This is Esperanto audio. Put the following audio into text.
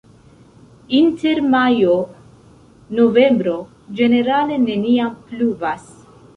Inter majo-novembro ĝenerale neniam pluvas.